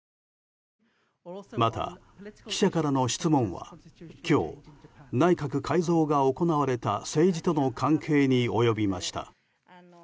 また、記者からの質問は今日、内閣改造が行われた政治との関係に及びました。